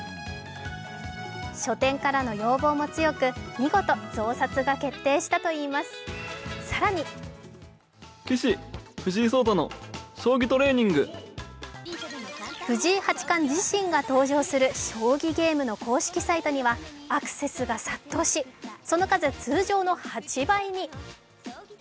書店からの要望も強く見事増刷が決定したといいます、更に藤井八冠自身が登場する将棋ゲームの公式サイトにはアクセスが殺到し、その数通常の８倍に。